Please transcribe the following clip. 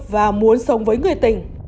và muốn sống với người tình